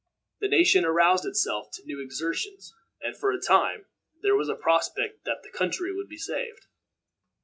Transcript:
The nation aroused itself to new exertions, and for a time there was a prospect that the country would be saved.